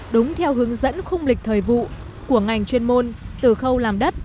đúng theo hướng dẫn khung lịch thời vụ của ngành chuyên môn từ khâu làm đất